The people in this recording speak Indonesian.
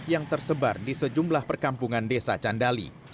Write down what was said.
yang tersebar di sejumlah perkampungan desa candali